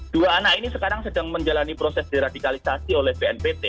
dua anak ini sekarang sedang menjalani proses deradikalisasi oleh bnpt